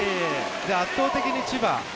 圧倒的に千葉。